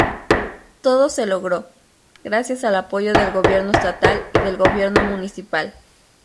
Todo se logró, gracias al apoyo del Gobierno Estatal y del Gobierno Municipal.